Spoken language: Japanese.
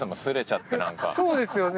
そうですよね。